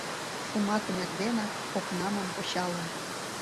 Шуматын эрденак, окнамым почалын